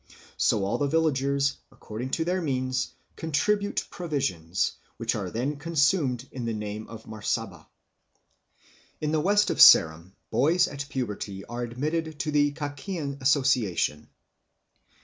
So all the villagers, according to their means, contribute provisions, which are then consumed in the name of Marsaba. In the west of Ceram boys at puberty are admitted to the Kakian association.